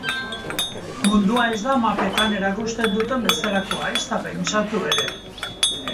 Mundua ez da mapetan erakusten duten bezalakoa, ezta pentsatu ere.